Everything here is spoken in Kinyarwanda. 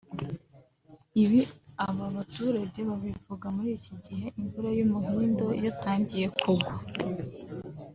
Ibi aba baturage babivuga muri iki gihe imvura y’umuhindo yatangiye kugwa